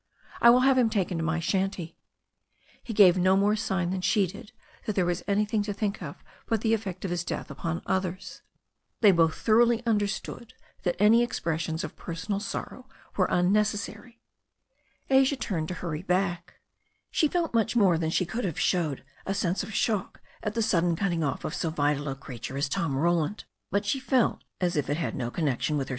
I will have him taken to my shanty." He gave no more sign than she did that there was anything to think of but the effect of his death upon others. They both thoroughly understood that any expressions of personal sorrow were unnecessary. Asia turned to hurry back. She felt much more than she could have showed a sense of shock at the sudden cutting THE STORY OF A NEW ZEALAND RIVER 403 off of so vital a creature as Tom Roland, but she felt as if it had no connection with herseU.